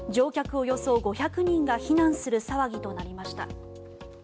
およそ５００人が避難する騒ぎとなりました。